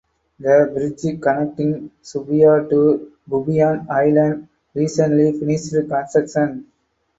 The bridge connecting Subiya to Bubiyan Island recently finished construction.